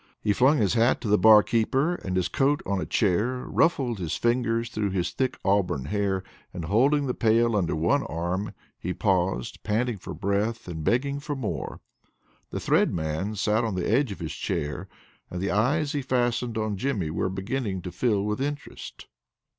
He flung his hat to the barkeeper, and his coat on a chair, ruffled his fingers through his thick auburn hair, and holding the pail under one arm, he paused, panting for breath and begging for more. The Thread Man sat on the edge of his chair, and the eyes he fastened on Jimmy were beginning to fill with interest.